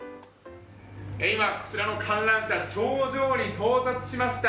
今、こちらの観覧車頂上に到達しました。